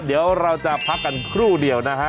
เดี๋ยวเราจะพักกันครู่เดียวนะฮะ